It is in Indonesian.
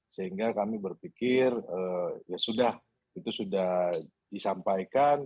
sehingga kami berpikir ya sudah itu sudah disampaikan